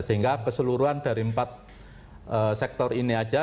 sehingga keseluruhan dari empat sektor ini saja